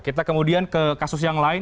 kita kemudian ke kasus yang lain